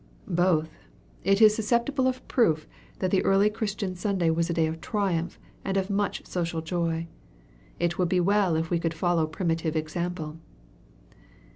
"Both. It is susceptible of proof that the early Christian Sunday was a day of triumph and of much social joy. It would be well if we could follow primitive example."